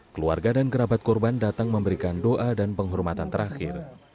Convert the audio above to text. keluarga dan kerabat korban datang memberikan doa dan penghormatan terakhir